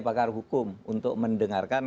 pakar hukum untuk mendengarkan